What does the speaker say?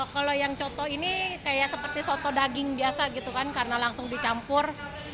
kalau yang coto ini kayak seperti soto daging biasa gitu kan karena langsung dicampur